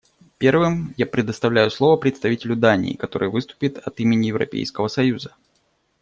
Первым я предоставляю слово представителю Дании, который выступит от имени Европейского союза.